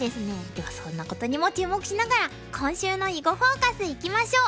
ではそんなことにも注目しながら今週の「囲碁フォーカス」いきましょう！